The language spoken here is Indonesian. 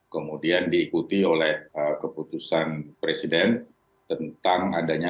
kemudian diikuti oleh keputusan presiden tentang adanya